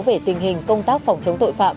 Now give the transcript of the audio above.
về tình hình công tác phòng chống tội phạm